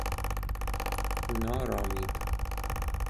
نارامید